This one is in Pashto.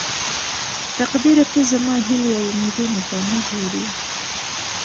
تقديره ته زما هيلې او اميدونه ته نه ګورې.